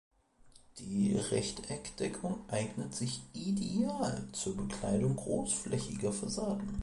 Die Rechteck-Deckung eignet sich ideal zur Bekleidung großflächiger Fassaden.